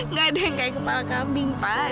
nggak ada yang kayak kepala kambing pak